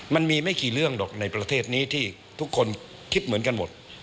มันมีไม่กี่เรื่องหรอกในประเทศนี้ที่ทุกคนคิดเหมือนกันหมด